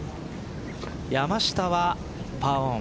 山下はパーオン。